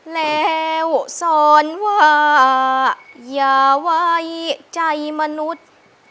แล้วสอนว่าอย่าไว้ใจมนุษย์